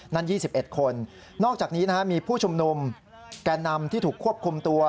๒๑คนนอกจากนี้มีผู้ชุมนุมแก่นำที่ถูกควบคุมตัว